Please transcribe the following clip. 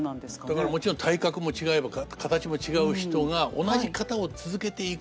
だからもちろん体格も違えば形も違う人が同じ型を続けていく。